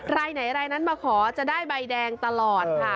รายไหนรายนั้นมาขอจะได้ใบแดงตลอดค่ะ